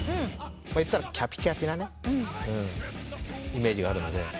言ったらキャピキャピなイメージがあるので。